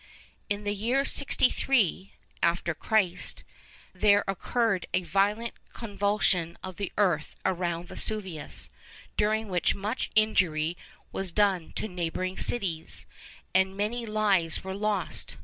In the year 63 (after Christ) there occurred a violent convulsion of the earth around Vesuvius, during which much injury was done to neighbouring cities, and many lives were lost.